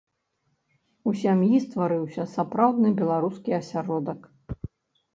У сям'і стварыўся сапраўдны беларускі асяродак.